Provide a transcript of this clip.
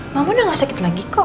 mama udah gak sakit lagi kok